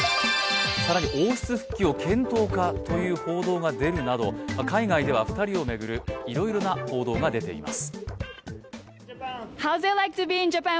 更に王室復帰を検討かという報道が出るなど海外では２人を巡るいろいろな報道が出ています。